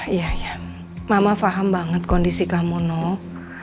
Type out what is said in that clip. iya iya mama faham banget kondisi kamu nuh